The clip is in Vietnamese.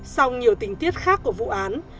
sau nhiều tình tiết khác của vụ án